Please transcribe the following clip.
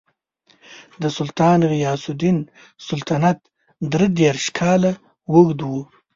د سلطان غیاث الدین سلطنت درې دېرش کاله اوږد و.